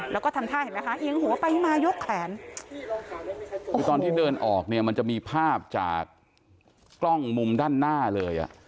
แล้วก็ทำท่าเห็นไหมคะเอียงหัวไปมายกแขนคือตอนที่เดินออกเนี่ยมันจะมีภาพจากกล้องมุมด้านหน้าเลยอ่ะ